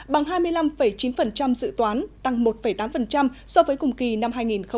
bằng hai mươi năm chín dự toán tăng một tám so với cùng kỳ năm hai nghìn một mươi tám